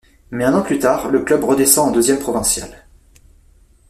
Mais un an plus tard, le club redescend en deuxième provinciale.